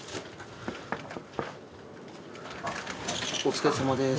お疲れさまです。